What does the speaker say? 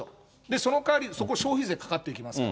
そのかわり、そこ消費税かかっていきますから。